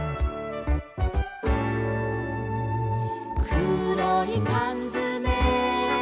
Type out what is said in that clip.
「くろいかんづめ」